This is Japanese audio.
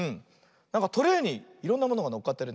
なんかトレーにいろんなものがのっかってるね。